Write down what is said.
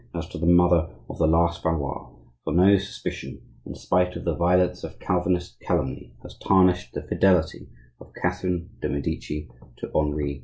as to the mother of the last Valois; for no suspicion, in spite of the violence of Calvinist calumny, has tarnished the fidelity of Catherine de' Medici to Henri II.